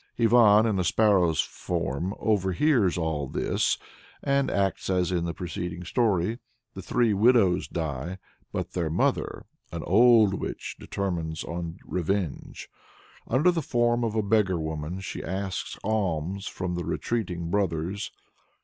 Ivan, in a sparrow's form, overhears all this, and acts as in the preceding story. The three widows die, but their mother, "an old witch," determines on revenge. Under the form of a beggar woman she asks alms from the retreating brothers.